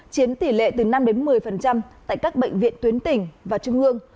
chiếm tỷ lệ từ năm một mươi tại các bệnh viện tuyến tỉnh và trung ương